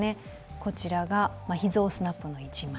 こちらが秘蔵スナップの一枚。